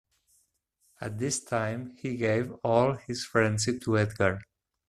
At this time he gave all his friendship to Edgar.